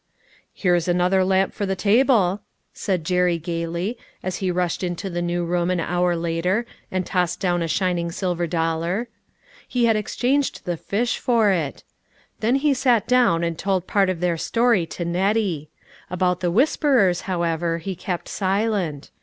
"Here is another lamp for the table," said Jerry gayly, as he rushed into the new room an hour later and tossed down a shining silver dollar. He had exchanged the fish for it. Then he sat down and told part of their story to Nettie. About the whisperers, however, he kept silent.